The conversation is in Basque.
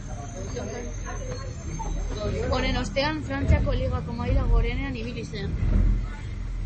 Honen ostean, Frantziako ligako maila gorenean ibili zen.